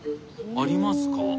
ありますか？